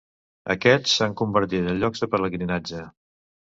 Aquests s'han convertit en llocs de pelegrinatge.